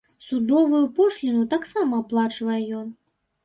Судовую пошліну таксама аплачвае ён.